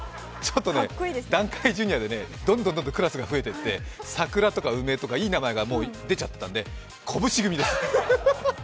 どんどんクラスが増えていって、桜とか梅とかいい名前が出ちゃったので、こぶし組です。